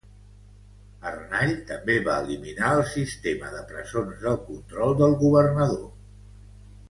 Arnall també va eliminar el sistema de presons del control del governador.